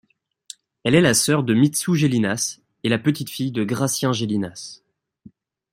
Elle est la sœur de Mitsou Gélinas et la petite-fille de Gratien Gélinas.